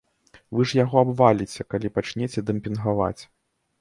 Вы ж яго абваліце, калі пачнеце дэмпінгаваць!